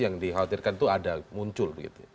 yang dikhawatirkan itu ada muncul begitu ya